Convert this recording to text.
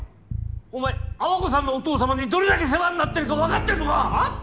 お前アワコさんのお父様にどれだけ世話になってるかわかってるのか！